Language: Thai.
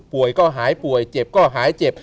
ก็หายป่วยเจ็บก็หายเจ็บ